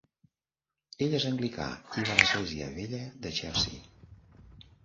Ell és anglicà i va a l'Església Vella de Chelsea.